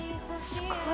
すごい。